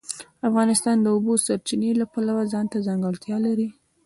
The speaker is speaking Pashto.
افغانستان د د اوبو سرچینې د پلوه ځانته ځانګړتیا لري.